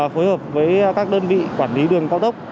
phối hợp với các đơn vị quản lý đường cao tốc